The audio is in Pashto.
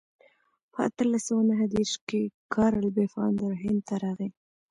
په اتلس سوه نهه دېرش کې کارل پفاندر هند ته راغی.